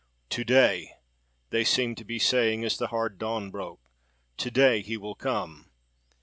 "To day!"—they seemed to be saying as the hard dawn broke,—"To day, he will come!"